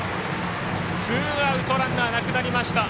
ツーアウトランナーなくなりました。